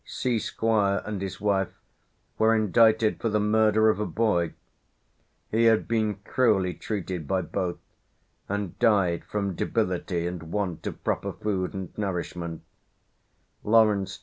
C. Squire and his wife were indicted for the murder of a boy;" he had been cruelly treated by both, and died "from debility and want of proper food and nourishment;" "Lawrence, J.